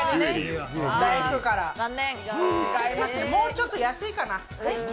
違います、もうちょっと安いかな。